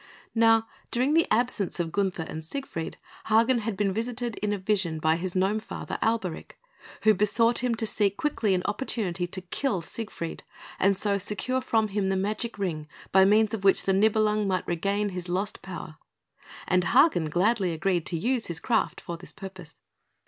Now, during the absence of Gunther and Siegfried, Hagen had been visited in a vision by his gnome father, Alberic, who besought him to seek quickly an opportunity to kill Siegfried, and so secure from him the magic Ring by means of which the Nibelung might regain his lost power; and Hagen gladly agreed to use his craft for this purpose.